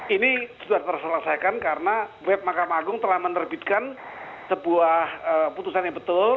ini sudah terselesaikan karena web mahkamah agung telah menerbitkan sebuah putusan yang betul